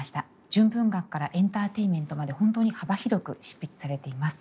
純文学からエンターテインメントまで本当に幅広く執筆されています。